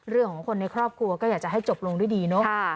เรื่องของคนในครอบครัวก็อยากจะให้จบลงด้วยดีเนอะ